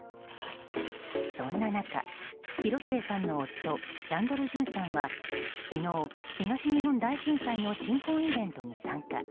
そんな中、広末さんの夫キャンドル・ジュンさんは昨日、東日本大震災の鎮魂イベントに参加。